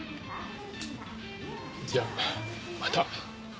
じゃあまた。